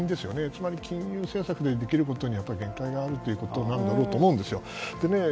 つまり金融政策でできることには限界があるということなんだろうと思うんですよ。